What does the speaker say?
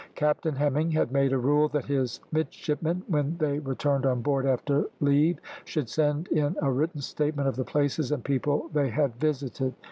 Captain Hemming had made a rule that his midshipmen, when they returned on board after leave, should send in a written statement of the places and people they had visited.